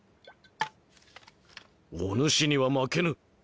お主には負けぬ。